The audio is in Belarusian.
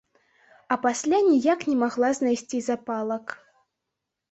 А пасля ніяк не магла знайсці запалак.